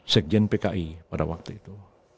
sekjen pki pada waktu itu